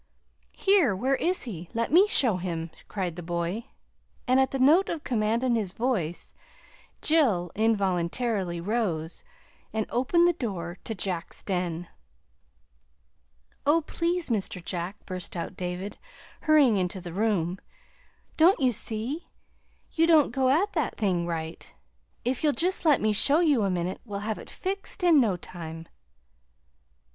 "Here, where is he? Let me show him," cried the boy, and at the note of command in his voice, Jill involuntarily rose and opened the door to Jack's den. "Oh, please, Mr. Jack," burst out David, hurrying into the room. "Don't you see? You don't go at that thing right. If you'll just let me show you a minute, we'll have it fixed in no time!"